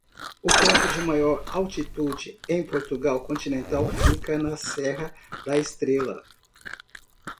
O ponto de maior altitude em Portugal Continental fica na Serra da Estrela.